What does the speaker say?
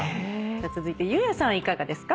続いてＵ−ＹＥＡＨさんいかがですか？